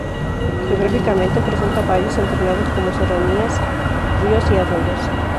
Geográficamente presenta valles alternados con serranías, ríos y arroyos.